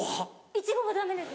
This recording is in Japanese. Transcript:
イチゴもダメです。